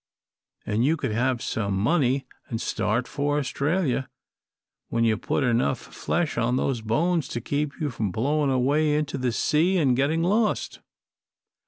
And you could save your money and start for Australia when you've put enough flesh on those bones to keep you from blowing away into the sea and getting lost.